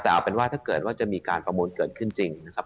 แต่เอาเป็นว่าถ้าเกิดว่าจะมีการประมูลเกิดขึ้นจริงนะครับ